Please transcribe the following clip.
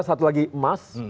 satu lagi emas